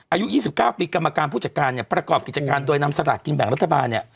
อายุ๒๙ปีกรรมการผู้จัดการเนี่ยประกอบกิจการโดยนำสลากกินแบ่งรัฐบาลเนี่ย